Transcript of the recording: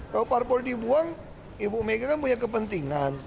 kalau parpol dibuang ibu mega kan punya kepentingan